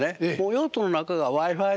ヨットの中がＷｉ−Ｆｉ？